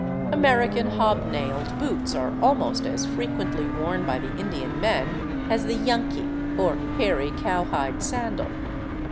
American hob nailed boots are almost as frequently worn by the Indian men as the llanqiii, or hairy cowhide sandal.